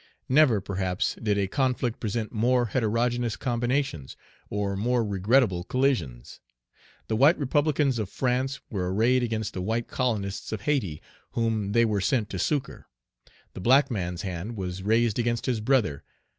Never, perhaps, did a conflict present more heterogeneous combinations, or more regrettable collisions. The white republicans of France were arrayed against the white colonists of Hayti, whom they were sent to succor. The black man's hand was raised against his brother.